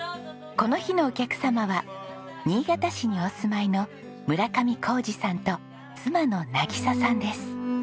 この日のお客様は新潟市にお住まいの村上公二さんと妻のなぎささんです。